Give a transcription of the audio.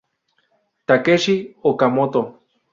Takeshi Okamoto